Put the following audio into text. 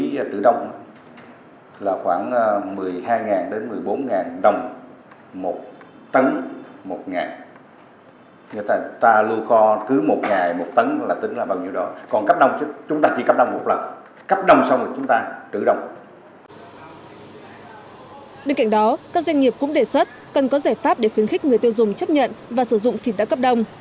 bên cạnh đó các doanh nghiệp cũng đề xuất cần có giải pháp để khuyến khích người tiêu dùng chấp nhận và sử dụng thịt đá cấp đông